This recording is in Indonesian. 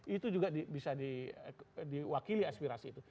itu juga bisa diwakili aspirasi itu